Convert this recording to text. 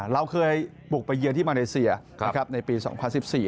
เราเคยปลุกไปเยือนที่มาริเศียนะครับในปีสองพันสิบสี่